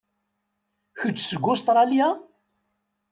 Kečč seg Ustṛalya?